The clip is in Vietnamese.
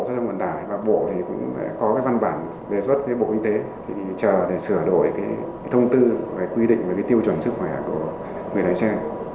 phía tổng cục đã có đề xuất với bộ giao thông vận tải và bộ cũng có văn bản đề xuất với bộ y tế chờ để sửa đổi thông tư và quy định về tiêu chuẩn sức khỏe của người lái xe